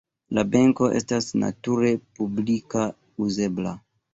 La benko estas nature publika, uzebla.